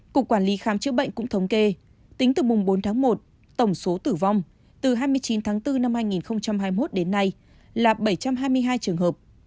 cục quản lý khám chữa bệnh cũng thống kê tính từ mùng bốn tháng một tổng số tử vong từ hai mươi chín tháng bốn năm hai nghìn hai mươi một đến nay là bảy trăm hai mươi hai trường hợp